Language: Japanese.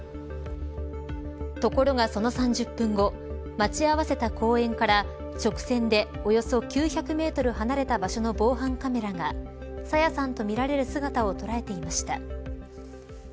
ところが、その３０分後待ち合わせた公園から直線でおよそ９００メートル離れた場所の防犯カメラが朝芽さんとみられる姿を捉えていました。